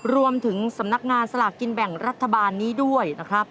สำนักงานสลากกินแบ่งรัฐบาลนี้ด้วยนะครับ